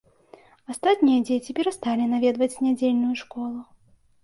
Астатнія дзеці перасталі наведваць нядзельную школу.